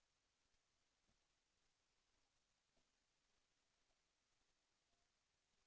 แสวได้ไงของเราก็เชียนนักอยู่ค่ะเป็นผู้ร่วมงานที่ดีมาก